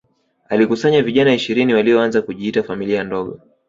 alikusanya vijana ishirini walioanza kujiita familia ndogo